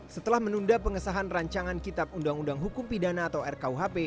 setelah menunda pengesahan rancangan kitab undang undang hukum pidana atau rkuhp